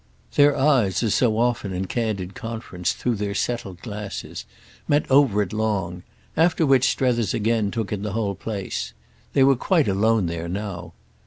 Their eyes, as so often, in candid conference, through their settled glasses, met over it long; after which Strether's again took in the whole place. They were quite alone there now.